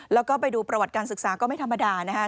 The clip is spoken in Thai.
แล้วก็ไปดูประวัติการศึกษาก็ไม่ธรรมดานะคะ